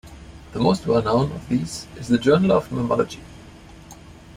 The most well known of these is "The Journal of Mammalogy".